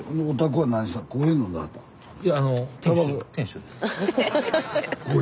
はい。